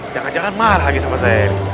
jangan jangan marah lagi sama saya